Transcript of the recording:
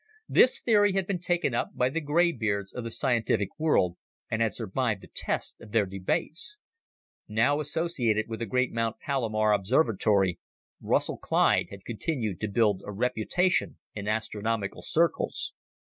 This theory had been taken up by the gray beards of the scientific world and had survived the test of their debates. Now associated with the great Mount Palomar Observatory, Russell Clyde had continued to build a reputation in astronomical circles.